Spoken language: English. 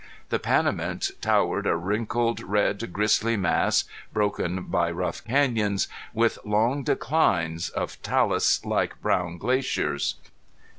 The Panamints towered a wrinkled red grisly mass, broken by rough canyons, with long declines of talus like brown glaciers.